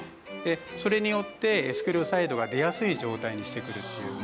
それによってエスクレオサイドが出やすい状態にしてくれるっていう。